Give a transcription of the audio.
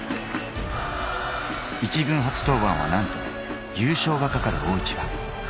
１軍初登板はなんと優勝がかかる大一番。